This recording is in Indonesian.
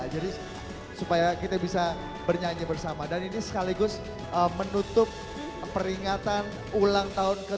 jadi supaya kita bisa bernyanyi bersama dan ini sekaligus menutup peringatan ulang tahun ke tujuh puluh tiga